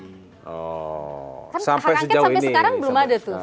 kan hak angket sampai sekarang belum ada tuh